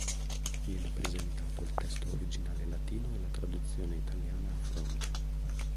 Viene presentato il testo originale latino e la traduzione italiana a fronte.